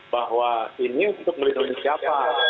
bahwa ini untuk melindungi siapa